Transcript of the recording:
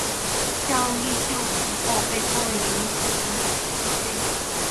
向秀丽死后被葬于银河革命公墓内。